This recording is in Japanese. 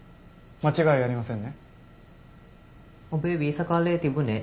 間違いありません。